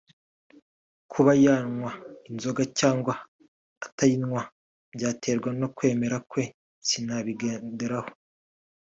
kuba yaba anywa inzoga cyangwa atayinywa byaterwa n’ukwemera kwe sinabigenderaho”